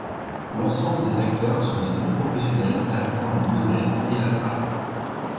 L'ensemble des acteurs sont des non-professionnels habitant la Moselle et la Sarre.